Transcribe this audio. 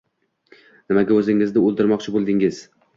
Nimaga o`zingizni o`ldirmoqchi bo`ldingiz